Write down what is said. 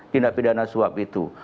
tindak pidana suap itu